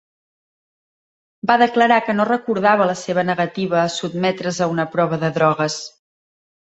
Va declarar que no recordava la seva negativa a sotmetre's a una prova de drogues.